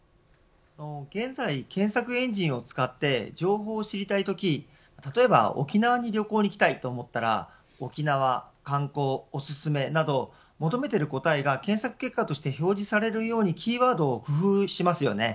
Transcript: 現在、検索エンジンを使って情報を知りたいとき例えば、沖縄に旅行に行きたいと思ったら沖縄、観光、おすすめなど求めている答えが検索結果として表示されるようにキーワードを工夫しますよね。